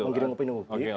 menggiring opini publik